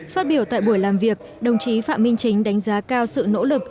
phát biểu tại buổi làm việc đồng chí phạm minh chính đánh giá cao sự nỗ lực